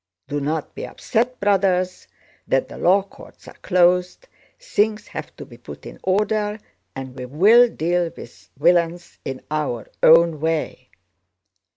Do not be upset, brothers, that the law courts are closed; things have to be put in order, and we will deal with villains in our own way!